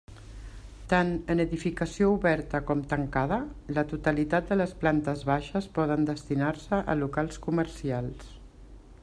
Tant en edificació oberta com tancada, la totalitat de les plantes baixes poden destinar-se a locals comercials.